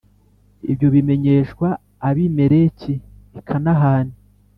Ibyo bimenyeshwa Abimeleki I Kanahani